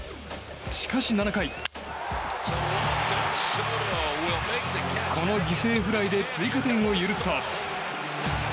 しかし７回、この犠牲フライで追加点を許すと。